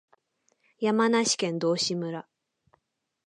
山梨県道志村